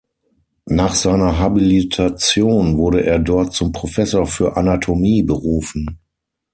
Nach seiner Habilitation wurde er dort zum Professor für Anatomie berufen.